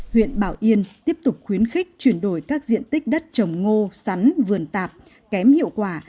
huyện bảo yên tiếp tục khuyến khích chuyển đổi các diện tích đất trồng ngô sắn vườn tạp kém hiệu quả